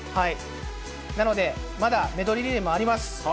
なので、まだメドレーリレーもあります。